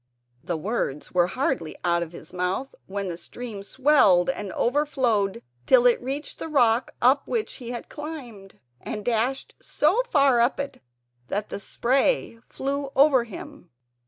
The words were hardly out of his mouth when the stream swelled and overflowed till it reached the rock up which he had climbed, and dashed so far up it that the spray flew over him.